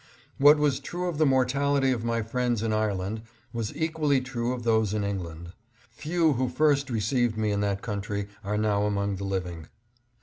What was true of the mortality of my friends in Ireland, was equally true of those in England. Few who first received me in that country are now among the living.